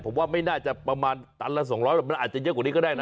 ผมว่าไม่น่าจะประมาณตันละ๒๐๐มันอาจจะเยอะกว่านี้ก็ได้นะ